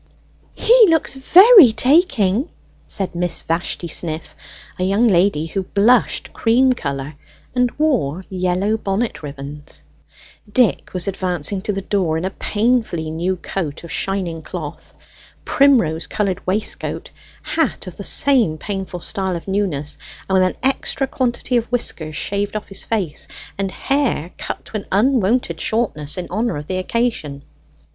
"He looks very taking!" said Miss Vashti Sniff, a young lady who blushed cream colour and wore yellow bonnet ribbons. Dick was advancing to the door in a painfully new coat of shining cloth, primrose coloured waistcoat, hat of the same painful style of newness, and with an extra quantity of whiskers shaved off his face, and hair cut to an unwonted shortness in honour of the occasion.